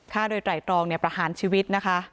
ข้าวโดยไตรองประหารชีวิต